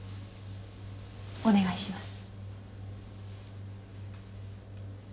お願いします。